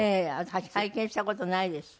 私拝見した事ないです。